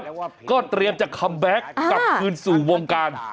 แล้วก็เตรียมจะคัมแบ็คกลับคืนสู่วงการ